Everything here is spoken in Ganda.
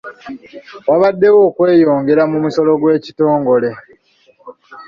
Wabaddewo okweyongera mu musolo gw'ekitongole.